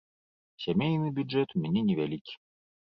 Сямейны бюджэт у мяне невялікі.